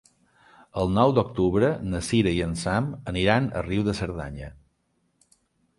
El nou d'octubre na Cira i en Sam aniran a Riu de Cerdanya.